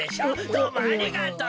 どうもありがとう。